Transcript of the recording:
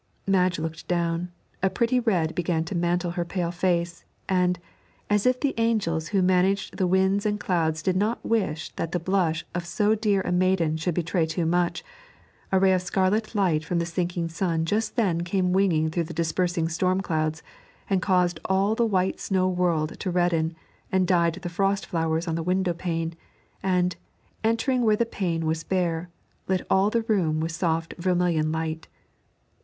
Madge looked down, a pretty red began to mantle her pale face, and, as if the angels who manage the winds and clouds did not wish that the blush of so dear a maiden should betray too much, a ray of scarlet light from the sinking sun just then came winging through the dispersing storm clouds and caused all the white snow world to redden, and dyed the frost flowers on the window pane, and, entering where the pane was bare, lit all the room with soft vermilion light.